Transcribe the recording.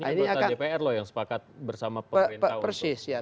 ini adanya dpr yang sepakat bersama pemerintah